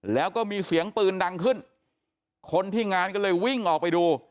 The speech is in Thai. แล้วก็มีเสียงปืนดังขึ้นคนที่งานก็เลยวิ่งออกไปดู